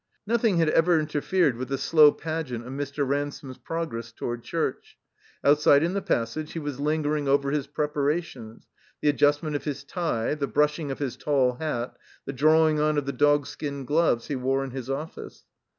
Nothing had ever interfered with the slow pageant of Mr. Ransome's progress toward church. Outside in the passage he was lingering over his prepara tions: the adjustment of his tie, the brushing of his tall hat, the drawing on of the dogskin gloves he wore in his office.